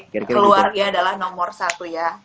keluarga adalah nomor satu ya